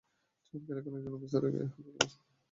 চমৎকার, এখন একজন অফিসারের গায়ে হাত তোলার অভিযোগেও ফাঁসলে তুমি!